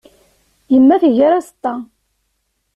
Yemma teggar aẓeṭṭa.